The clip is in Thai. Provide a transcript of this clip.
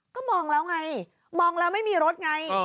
ก็มองแล้วไงมองแล้วไม่มีรถไง